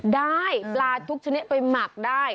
ได้ปลาทุกชนิดไปหมักได้